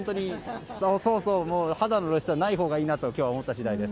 肌の露出はないほうがいいなと今日は思った次第です。